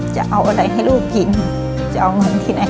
จากวันใดมันคงเหมือนดังที่เป็น